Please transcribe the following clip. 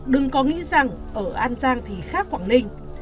đừng có nghĩ rằng ở an giang thì khác quảng ninh